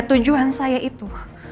tujuan saya itu